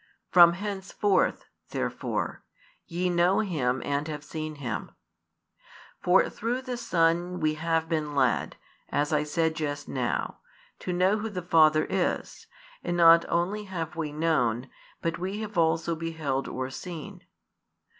From henceforth, therefore, ye know Him and have seen Him. For through the Son we have been led, as I said just now, to know Who the Father is, and not only have we known, but we have also beheld or seen.